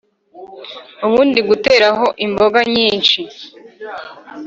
ubundi ugateraho imboga nyinshi